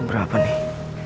tidak dapat menerima